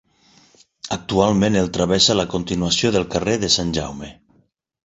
Actualment el travessa la continuació del carrer de Sant Jaume.